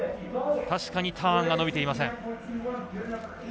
確かにターンが伸びていません。